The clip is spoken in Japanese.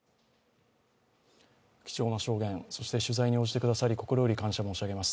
貴重な証言、そして取材に応じてくださり、心より感謝申し上げます。